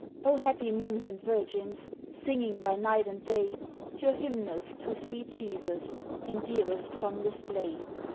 O happy Monks and Virgins, Singing by night and day, Your hymnals to Sweet Jesus, In dearest, fondest lay!